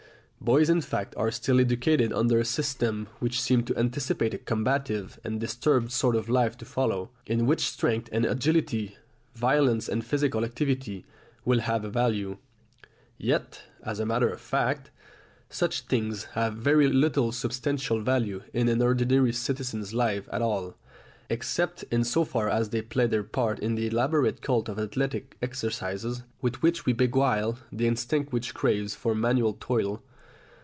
Boys in fact are still educated under a system which seems to anticipate a combative and disturbed sort of life to follow, in which strength and agility, violence and physical activity, will have a value. Yet, as a matter of fact, such things have very little substantial value in an ordinary citizen's life at all, except in so far as they play their part in the elaborate cult of athletic exercises, with which we beguile the instinct which craves for manual toil.